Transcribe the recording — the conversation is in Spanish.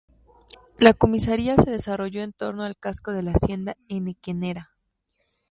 La comisaría se desarrolló en torno al casco de la hacienda henequenera.